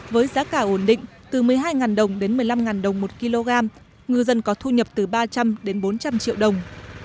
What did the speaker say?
với giá cả ổn định từ một mươi hai đồng đến một mươi năm đồng một kg ngư dân có thu nhập từ ba trăm linh đến bốn trăm linh triệu đồng